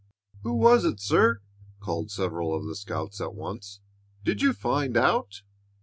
"Who was it, sir?" called several of the scouts at once. "Did you find out?"